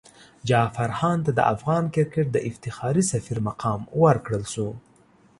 جعفر هاند ته د افغان کرکټ د افتخاري سفیر مقام ورکړل شو.